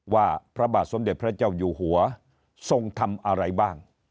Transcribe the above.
ว่าพระบาทสมเด็จพระเจ้าอยู่หัวทรงทำอะไรบ้าง